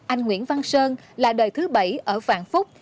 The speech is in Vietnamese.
anh nguyễn văn sơn là đời thứ bảy ở vạn phúc